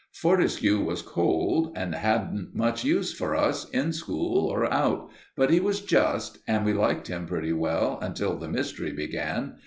Fortescue was cold and hadn't much use for us in school or out, but he was just, and we liked him pretty well until the mystery began.